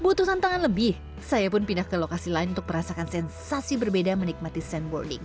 butuh tantangan lebih saya pun pindah ke lokasi lain untuk merasakan sensasi berbeda menikmati sandboarding